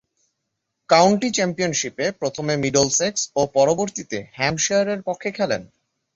County চ্যাম্পিয়নশীপে প্রথমে Middlesex ও পরবর্তীতে হ্যাম্পশায়ারের পক্ষে খেলেন।